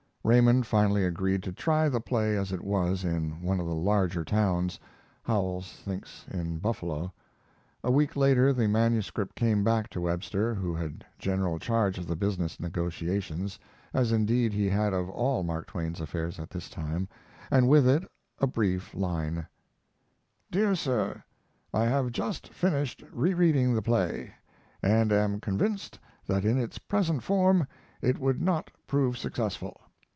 Raymond finally agreed to try the play as it was in one of the larger towns Howells thinks in Buffalo. A week later the manuscript came back to Webster, who had general charge of the business negotiations, as indeed he had of all Mark Twain's affairs at this time, and with it a brief line: DEAR SIR, I have just finished rereading the play, and am convinced that in its present form it would not prove successful.